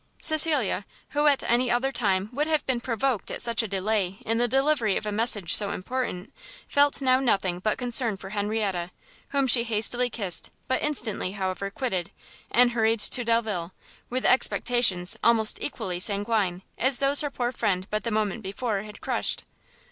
Cecilia, who at any other time would have been provoked at such a delay in the delivery of a message so important, felt now nothing but concern for Henrietta, whom she hastily kissed, but instantly, however, quitted, and hurried to Delvile, with expectations almost equally sanguine as those her poor friend but the moment before had crushed.